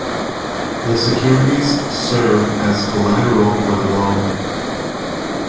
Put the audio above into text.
The securities serve as collateral for the loan.